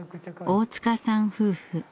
大塚さん夫婦。